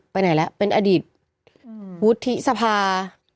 ไปไหนล่ะเป็นอดีตวุฒิสภา